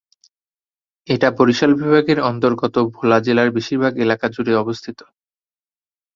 এটা বরিশাল বিভাগের অন্তর্গত ভোলা জেলার বেশীরভাগ এলাকা জুড়ে অবস্থিত।